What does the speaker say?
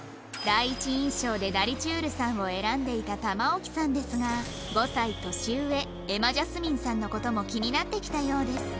第一印象でダリちゅーるさんを選んでいた玉置さんですが５歳年上瑛茉ジャスミンさんの事も気になってきたようです